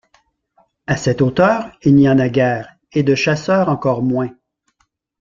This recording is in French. À cette hauteur, il n’y en a guère, et de chasseurs encore moins.